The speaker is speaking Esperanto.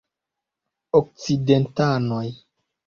Okcidentanoj.